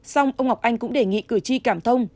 xong ông ngọc anh cũng đề nghị cử tri cảm thông